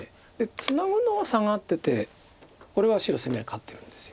ツナぐのはサガっててこれは白攻め合い勝ってるんです。